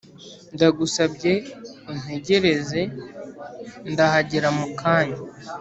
Ndagusabye untegereze ndahagera mukanya